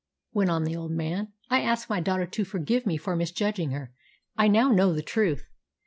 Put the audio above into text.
went on the old man. "I ask my daughter to forgive me for misjudging her. I now know the truth.